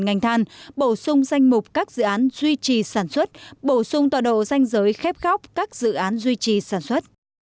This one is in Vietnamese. ngành than bổ sung danh mục các dự án duy trì sản xuất bổ sung tọa độ danh giới khép các dự án duy trì sản xuất